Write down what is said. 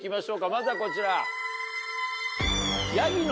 まずはこちら。